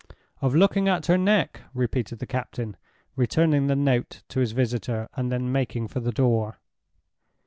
"Of looking at her neck," repeated the captain, returning the note to his visitor, and then making for the door.